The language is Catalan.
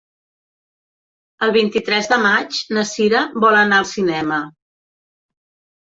El vint-i-tres de maig na Sira vol anar al cinema.